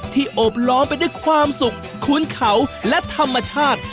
โอบล้อมไปด้วยความสุขคุ้นเขาและธรรมชาติ